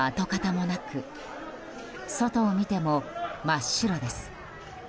窓ガラスは跡形もなく外を見ても真っ白です。